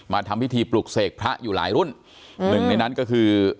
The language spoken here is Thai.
ทำพิธีปลุกเสกพระอยู่หลายรุ่นหนึ่งในนั้นก็คือ